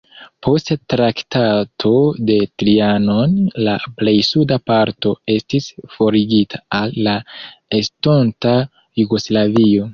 Post Traktato de Trianon la plej suda parto estis forigita al la estonta Jugoslavio.